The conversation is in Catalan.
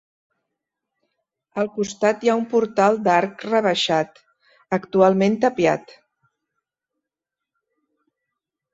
Al costat hi ha un portal d'arc rebaixat, actualment tapiat.